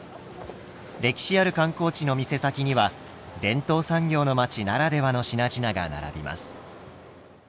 歴史ある観光地の店先には伝統産業の町ならではの品々が並びます。